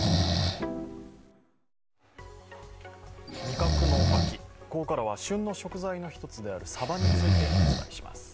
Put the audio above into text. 味覚の秋、ここからは旬の食材の一つであるサバについてお伝えします。